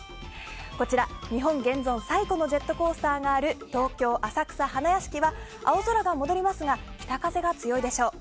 こちら、日本現存最古のジェットコースタがある東京、浅草花やしきは青空が戻りますが北風が強いでしょう。